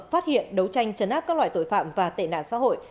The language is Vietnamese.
phát hiện đấu tranh chấn áp các loại tội phạm và tệ nạn xã hội